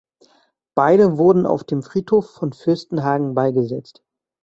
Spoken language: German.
Beide wurden auf dem Friedhof von Fürstenhagen beigesetzt.